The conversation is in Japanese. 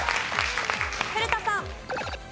古田さん。